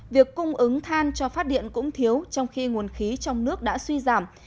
việc cung ứng than cho phát điện cũng thiếu trong khi nguồn khí trong nước đã suy giảm